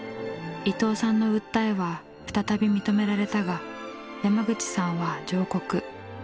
伊藤さんの訴えは再び認められたが山口さんは上告。